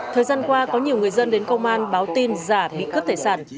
thời gian qua có nhiều người dân đến công an báo tin giả bị cướp tài sản